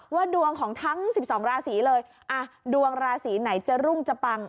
ว่าดวงของทั้งสิบสองราศรีเลยอ่ะดวงราศรีไหนจะรุ่งจะปัง